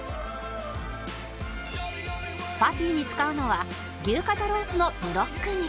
パティに使うのは牛肩ロースのブロック肉